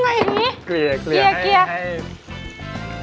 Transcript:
กับตะเกียบถูกไหมละครับ